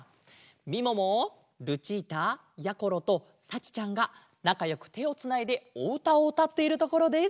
みももルチータやころとさちちゃんがなかよくてをつないでおうたをうたっているところです。